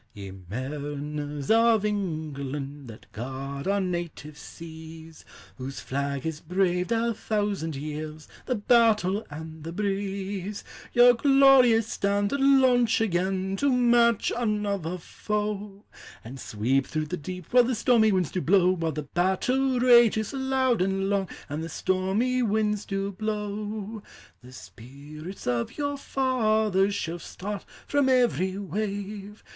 Ye mariners of England! That guard our native seas; Whose flag has braved, a thousand years, The battle and the breeze! Your glorious standard launch again To match another foe! And sweep through the deep, While the stormy winds do blow; Wliile the battle rages loud and long, And the stormy winds do blow. The spirits of your fathers Shall start from every wave!